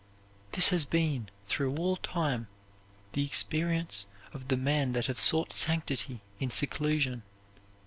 This has been, through all time, the experience of the men that have sought sanctity in seclusion.